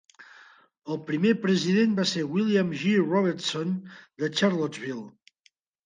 El primer president va ser William J. Robertson de Charlottesville.